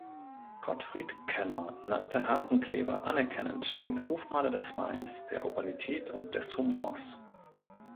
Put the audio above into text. Gottfried Keller nannte Hasenclever anerkennend den „Hofmaler des Weins, der Urbanität und des Humors“.